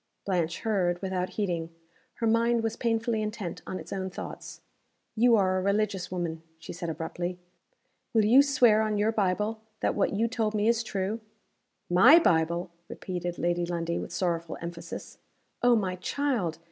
Blanche heard, without heeding. Her mind was painfully intent on its own thoughts. "You are a religious woman," she said, abruptly. "Will you swear on your Bible, that what you told me is true?" "My Bible!" repeated Lady Lundie with sorrowful emphasis. "Oh, my child!